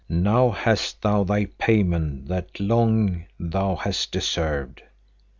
Now hast thou thy payment that long thou hast deserved!